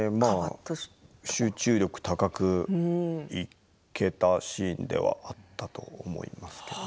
集中力高くって言ってたシーンではあったと思いますけど。